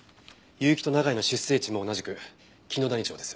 結城と永井の出生地も同じく紀野谷町です。